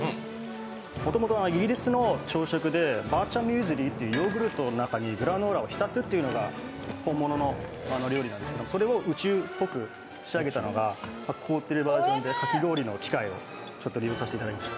もともとはイギリスの朝食でバーチャミューズリーってヨーグルトの中にグラノーラを浸すっていうのが本物の料理なんですけど、それを宇宙っぽく仕上げたのが、かき氷の機械を利用させていただきました。